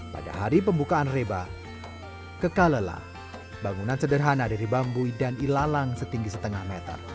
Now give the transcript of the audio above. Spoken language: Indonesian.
pada hari pembukaan rebah kekalelah bangunan sederhana dari bambui dan ilalang setinggi setengah meter